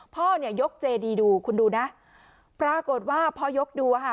พ่อเนี่ยยกเจดีดูคุณดูนะปรากฏว่าพอยกดูอ่ะค่ะ